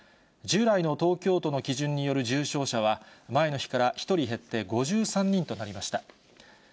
従来の東京都の基準による重症者は前の日から１人減って５３人となりました。